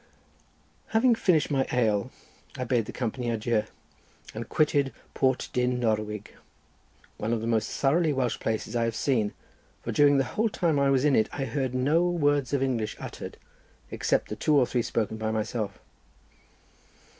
Having finished my ale I bade the company adieu and quitted Port Dyn Norwig, one of the most thoroughly Welsh places I had seen, for during the whole time I was in it, I heard no words of English uttered, except the two or three spoken by myself.